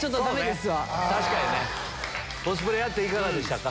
コスプレやっていかがでしたか？